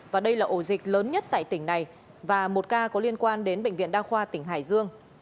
và đây là ổ dịch lớn nhất tại tỉnh này và một ca có liên quan đến bệnh viện đa khoa tỉnh hải dương